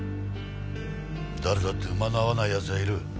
誰だって馬の合わない奴がいる。